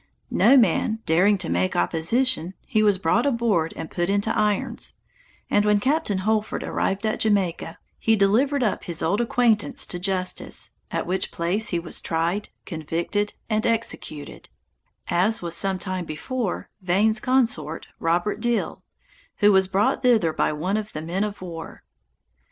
No man daring to make opposition, he was brought aboard and put into irons; and when Captain Holford arrived at Jamaica, he delivered up his old acquaintance to justice, at which place he was tried, convicted, and executed, as was some time before, Vane's consort, Robert Deal, who was brought thither by one of the men of war.